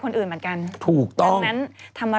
คุณหมอโดนกระช่าคุณหมอโดนกระช่า